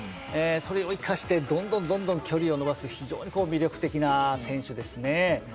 えそれを生かしてどんどんどんどん距離を伸ばす非常にこう魅力的な選手ですね。